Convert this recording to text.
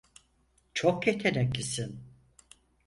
Çok yeteneklisin.